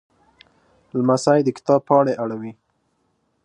لمسی د کتاب پاڼې اړوي.